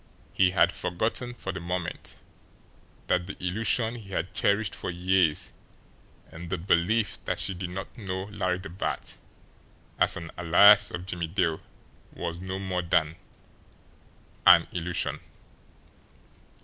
He had forgotten for the moment that the illusion he had cherished for years in the belief that she did not know Larry the Bat as an alias of Jimmie Dale was no more than an illusion.